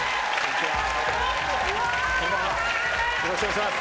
よろしくお願いします。